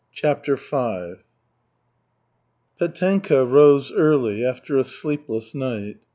CHAPTER V Petenka rose early after a sleepless night.